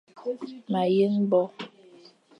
Ma yen bo ;